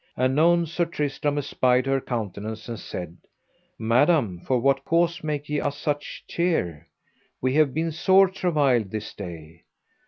Anon Sir Tristram espied her countenance and said: Madam, for what cause make ye us such cheer? we have been sore travailed this day.